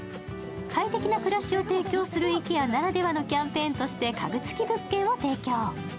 快適な暮らしを提供するＩＫＥＡならではのキャンペーンとして家具付き物件を提供。